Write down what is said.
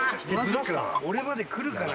俺まで来るかな